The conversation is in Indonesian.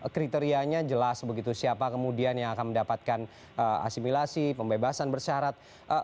kriterianya jelas begitu siapa kemudian yang akan mendapatkan asimilasi pembebasan bersyarat